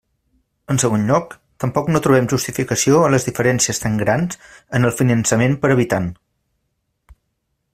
En segon lloc, tampoc no trobem justificació a les diferències tan grans en el finançament per habitant.